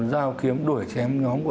điện tập ba